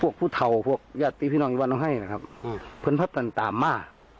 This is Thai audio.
พวกพุทาวพวกญาติทิพินองในบ้านหนองไห้นะครับเหมือนพาตันตามมา